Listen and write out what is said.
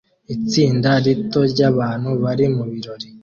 Itsinda rito ryabantu bari mubirori